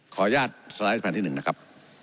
ขออนุญาตสไลด์แผ่นที่๑นะครับ